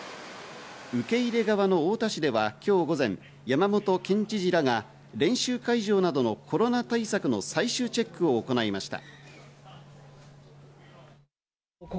受け入れ側の太田市では今日午前、山本県知事らが練習会場などのコロナ対策の最終チェックを行いました。